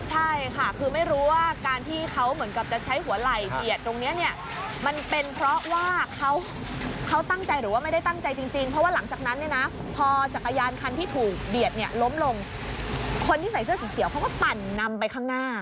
ใช่ค่ะคือไม่รู้ว่าการที่เขาเหมือนกับจะใช้หัวไหล่เบียดตรงนี้เนี่ยมันเป็นเพราะว่าเขาตั้งใจหรือว่าไม่ได้ตั้งใจจริงเพราะว่าหลังจากนั้นเนี่ยนะพอจักรยานคันที่ถูกเบียดเนี่ยล้มลงคนที่ใส่เสื้อสีเขียวเขาก็ปั่นนำไปข้างหน้า